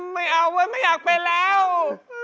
ไม่เอาไว้ไม่อยากไปแล้ว